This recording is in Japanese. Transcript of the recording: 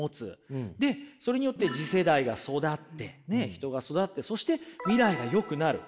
でそれによって次世代が育ってね人が育ってそして未来がよくなる。